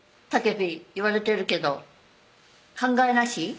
たけぴ言われてるけど考えなし？